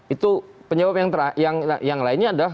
itu penyebab yang lainnya adalah